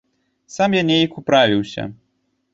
Сам я нейк управіўся.